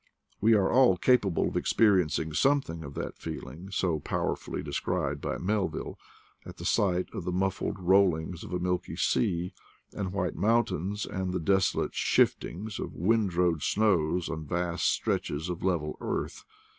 We are all capable of experiencing something of that feeling, so powerfully described by Melville, at the sight of the muffled rollings of a milky sea, and white mountains, and the desolate shif tings of windrowed snows on vast stretches of level earth.